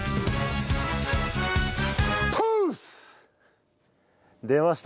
トゥース！出ました！